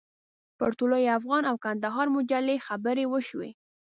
پر طلوع افغان او کندهار مجلې خبرې وشوې.